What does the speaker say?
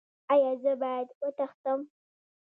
ایا زه باید وتښتم؟